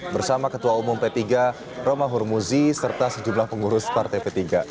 bersama ketua umum p tiga roma hurmuzi serta sejumlah pengurus partai p tiga